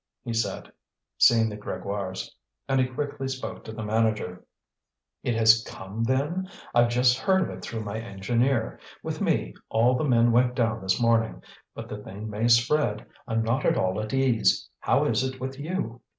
he said, seeing the Grégoires. And he quickly spoke to the manager: "It has come, then? I've just heard of it through my engineer. With me, all the men went down this morning. But the thing may spread. I'm not at all at ease. How is it with you?"